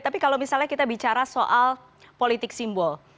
tapi kalau misalnya kita bicara soal politik simbol